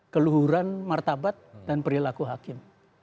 keluhuran martabat dan perilaku hakim